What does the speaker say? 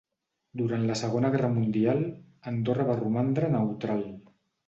Durant la Segona Guerra Mundial, Andorra va romandre neutral.